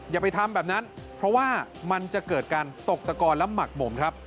อย่าไปทำแบบนั้นเพราะว่ามันจะเกิดการตกตะกอนและหมักหมมครับ